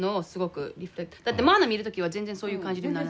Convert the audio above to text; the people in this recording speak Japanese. だって摩阿那見る時は全然そういう感じにならない。